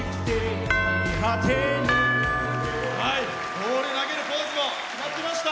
ボール、投げるポーズ決まってました。